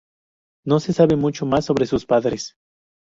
No se sabe mucho más sobre sus padres.